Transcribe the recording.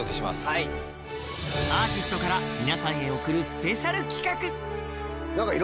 はいアーティストから皆さんへ贈るスペシャル企画！